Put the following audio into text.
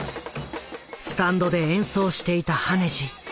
スタンドで演奏していた羽地。